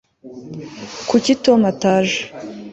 kuki tom ataje